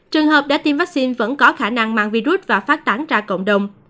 trường hợp đã tiêm vaccine vẫn có khả năng mang virus và phát tán ra cộng đồng